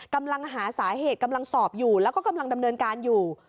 กำลังหาสาเหตุกำลังสอบอยู่แล้วก็กำลังดำเนินการอยู่